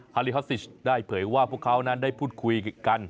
ฮลีฮอสซิชได้เผยว่าพวกเขานั้นได้พูดคุยกัน